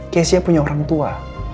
kezia punya orang tua